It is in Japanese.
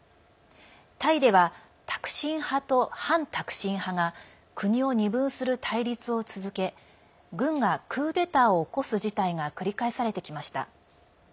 タイではタクシン派と反タクシン派が国を二分する対立を続け軍がクーデターを起こす事態が繰り返されてきました。